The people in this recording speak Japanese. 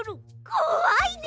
こわいね！